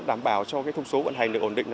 đảm bảo cho thông số vận hành được ổn định